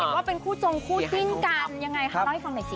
เขาเป็นคู่จงคู่จิ้นกันนะคะยังไงฟังหน่อยซิ